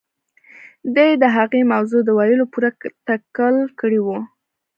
دې د هغې موضوع د ويلو پوره تکل کړی و.